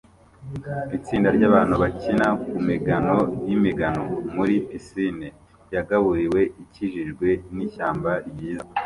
Itsinda ryabantu bakina kumigano yimigano muri pisine yagaburiwe ikikijwe nishyamba ryiza